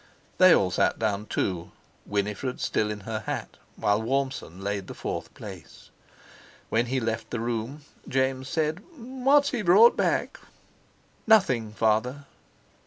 They all sat down too, Winifred still in her hat, while Warmson laid the fourth place. When he left the room, James said: "What's he brought back?" "Nothing, Father."